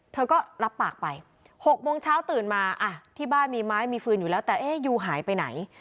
เธอก็รับปากไป๖โมงเช้าตื่นมาที่บ้านมีไม้มีฟืนอยู่แล้วแต่เอ๊ะยูหายไปไหน